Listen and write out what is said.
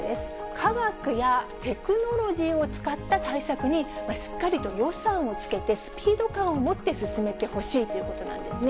科学やテクノロジーを使った対策にしっかりと予算をつけてスピード感を持って進めてほしいということなんですね。